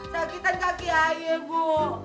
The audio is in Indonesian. sakitan kaki ayah bu